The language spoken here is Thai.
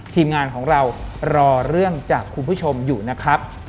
ทีมงานของเรารอเรื่องจากคุณผู้ชมอยู่นะครับ